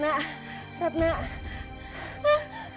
nurajuh disitu dong